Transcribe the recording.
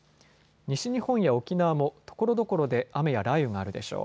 西日本や沖縄もところどころで雨や雷雨があるでしょう。